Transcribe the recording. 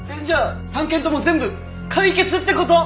じゃあ３件とも全部解決って事？